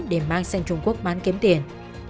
để mang sang trung quốc bán kiếm tiền